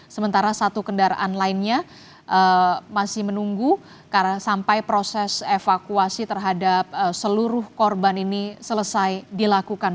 sementara satu kendaraan lainnya masih menunggu karena sampai proses evakuasi terhadap seluruh korban ini selesai dilakukan